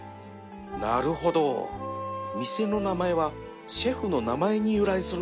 なるほど店の名前はシェフの名前に由来するのか